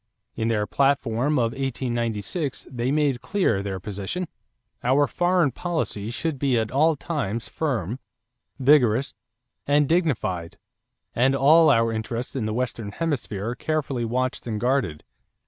In their platform of 1896 they made clear their position: "Our foreign policy should be at all times firm, vigorous, and dignified and all our interests in the Western hemisphere carefully watched and guarded.